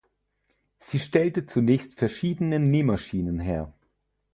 Sie stellte zunächst verschiedene Nähmaschinen her.